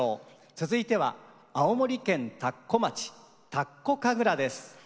続いては青森県田子町「田子神楽」です。